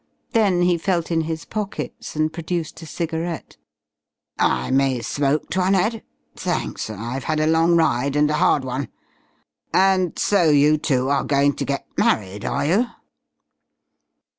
Then he felt in his pockets and produced a cigarette. "I may smoke, 'Toinette? Thanks. I've had a long ride, and a hard one.... And so you two are going to get married, are you?"